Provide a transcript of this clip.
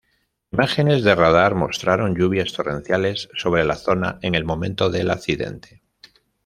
Imágenes de radar mostraron lluvias torrenciales sobre la zona en el momento del accidente.